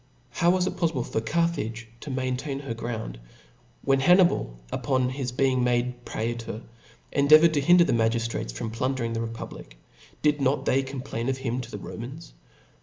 How was it pofTible for Carthage to maintain her ground ? When Hannibal, upon his beihg I made prsetor, endeavoured to hinder the magiftrates I from plundering the republic, did not they com I plain of him to the Romans?